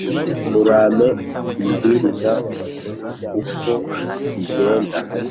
Urampe umbwiriza ukwo bigenda!